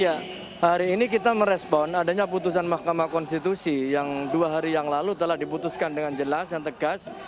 ya hari ini kita merespon adanya putusan mahkamah konstitusi yang dua hari yang lalu telah diputuskan dengan jelas dan tegas